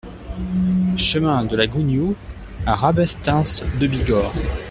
Chemin de la Gouniou à Rabastens-de-Bigorre